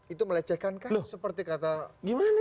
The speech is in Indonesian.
itu melecehkan kan seperti kata ks obriter